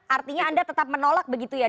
artinya anda tetap menolak begitu ya